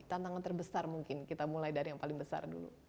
tantangan terbesar mungkin kita mulai dari yang paling besar dulu